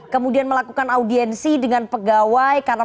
kemudian melakukan audiensi dengan pegawai